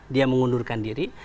dia mengundurkan diri